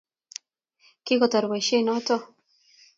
Kikotar boishet noto